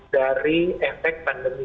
dari efek pandemi